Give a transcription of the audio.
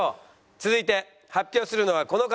続いて発表するのはこの方。